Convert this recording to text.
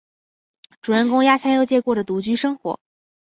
主人公鸭下佑介过着独居生活。